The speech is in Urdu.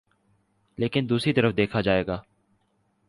لیکن دوسری طرف دیکھا جائے